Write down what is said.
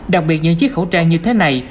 đặc biệt những chiếc khẩu trang như thế này